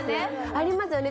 ありますよね